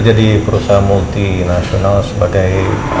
jadi perusahaan multi nasional sebagai